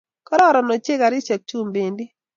gororon ochei karishek Chun bendi